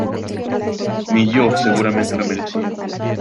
Ni yo seguramente lo merecía.